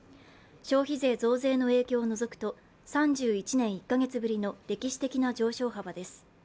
消費税増税の影響を除くと３１年１か月ぶりの歴史的な上昇幅です。